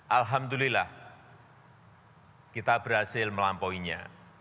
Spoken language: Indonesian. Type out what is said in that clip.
alhamdulillah kita berhasil melampauinya